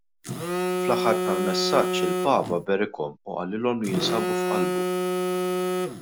Fl-aħħar tal-messaġġ il-Papa berikhom u qalilhom li jinsabu f'qalbu.